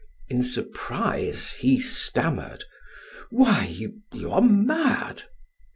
In surprise, he stammered: "Why you you are mad."